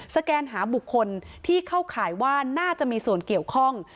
แกนหาบุคคลที่เข้าข่ายว่าน่าจะมีส่วนเกี่ยวข้อง